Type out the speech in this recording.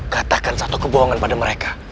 katakan satu kebohongan pada mereka